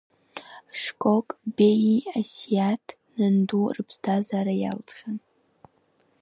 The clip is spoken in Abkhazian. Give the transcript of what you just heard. Шкок Беии Асиаҭ нандуи рыԥсҭазаара иалҵхьан.